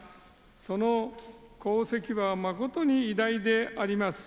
その功績はまことに偉大であります。